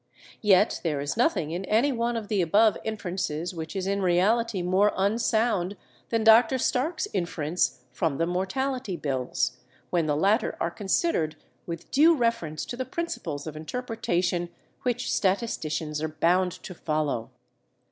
Yet there is nothing in any one of the above inferences which is in reality more unsound than Dr. Stark's inference from the mortality bills, when the latter are considered with due reference to the principles of interpretation which statisticians are bound to follow.